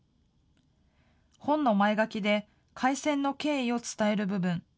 本の前書きで、開戦の経緯を伝える部分。